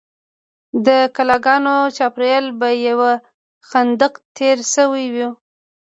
د کلاګانو چارپیره به یو خندق تیر شوی و.